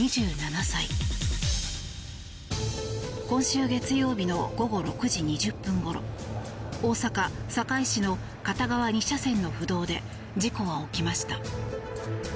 今週月曜日の午後６時２０分ごろ大阪・堺市の片側２車線の府道で事故は起きました。